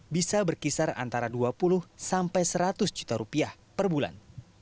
bisa berkisar antara dua puluh sampai seratus juta rupiah per bulan